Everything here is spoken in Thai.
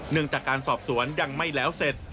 จากการสอบสวนยังไม่แล้วเสร็จ